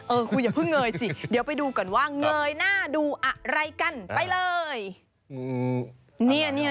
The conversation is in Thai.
ครูอย่าเพิ่งเงยสิเดี๋ยวไปดูก่อนว่าเงยหน้าดูอะไรกันไปเลย